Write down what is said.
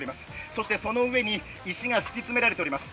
そしてその上に石が敷き詰められております。